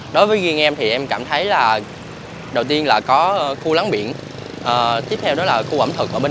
đối với riêng em thì em cảm thấy là đầu tiên là có khu lắng biển tiếp theo đó là khu ẩm thực ở bên